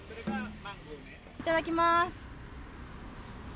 いただきます。